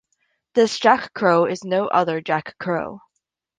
This Jack Crow is no other Jack Crow.